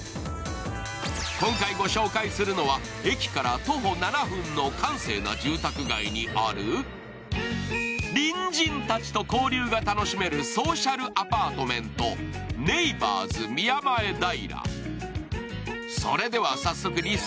今回ご紹介するのは駅から徒歩７分の閑静な住宅街にある隣人たちと交流が楽しめるソーシャルアパートメント、ネイバーズ宮前平。